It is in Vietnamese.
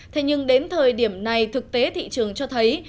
thế nhưng đến thời điểm này thực tế thị trường cho thấy